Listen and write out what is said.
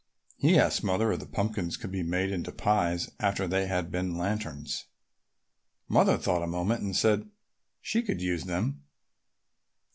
He asked Mother if the pumpkins could be made into pies after they had been lanterns. Mother thought a moment and said she could use them.